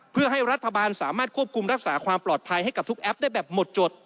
เพื่อให้รัฐบาลสามารถควบคุมรักษาความปลอดภัยให้กับทุกแอปได้แบบหมดจด